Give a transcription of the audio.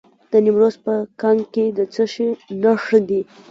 د نیمروز په کنگ کې د څه شي نښې دي؟